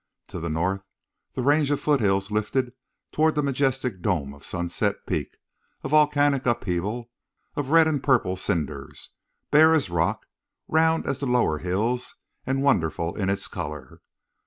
To the north the range of foothills lifted toward the majestic dome of Sunset Peak, a volcanic upheaval of red and purple cinders, bare as rock, round as the lower hills, and wonderful in its color.